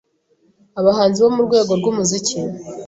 Abahanzi bo mu rwego rw’umuziki,